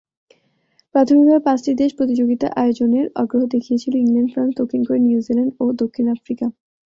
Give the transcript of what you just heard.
প্রাথমিকভাবে পাঁচটি দেশ প্রতিযোগিতা আয়োজনের আগ্রহ দেখিয়েছিল: ইংল্যান্ড, ফ্রান্স, দক্ষিণ কোরিয়া, নিউজিল্যান্ড ও দক্ষিণ আফ্রিকা।